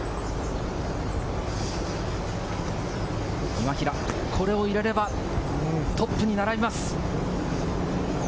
今平、これを入れればトップに並びます。